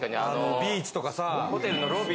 ビーチとかさ。